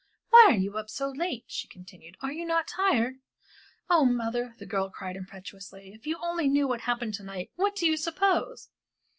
"Why are you up so late," she continued, "are you not tired? Oh, mother," the girl cried, impetuously, "if you only knew what happened to night what do you suppose?"